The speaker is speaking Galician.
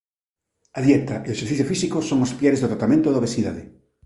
A dieta e o exercicio físico son os piares do tratamento da obesidade.